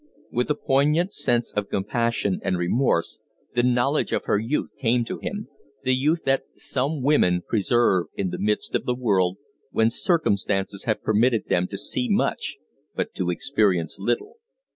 With a poignant sense of compassion and remorse, the knowledge of her youth came to him the youth that some women preserve in the midst of the world, when circumstances have permitted them to see much but to experience little.